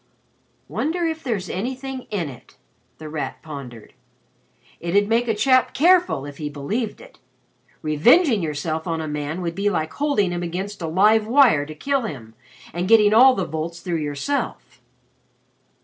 '_" "Wonder if there's anything in it?" The Rat pondered. "It'd make a chap careful if he believed it! Revenging yourself on a man would be like holding him against a live wire to kill him and getting all the volts through yourself."